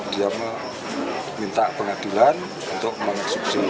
dia minta pengadilan untuk mengeksekusi